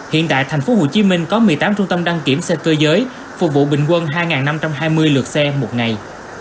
hiện tại tp hcm có một mươi tám trung tâm đăng kiểm xe cơ giới phục vụ bình quân hai năm trăm hai mươi lượt xe một ngày